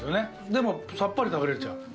でも、さっぱり食べれちゃう。